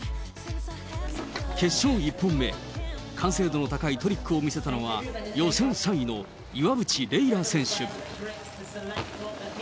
決勝１本目、完成度の高いトリックを見せたのは、予選３位の岩渕麗楽選手。